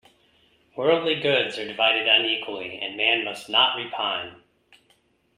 Worldly goods are divided unequally, and man must not repine.